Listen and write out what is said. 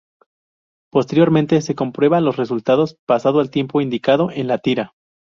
Posteriormente se comprueba los resultados pasado el tiempo indicado en la tira.